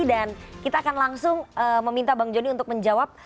dan kita akan langsung meminta bang johnny untuk menjawab